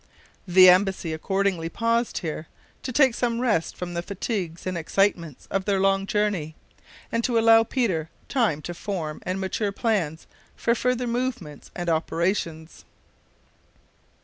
The embassy accordingly paused here, to take some rest from the fatigues and excitements of their long journey, and to allow Peter time to form and mature plans for future movements and operations.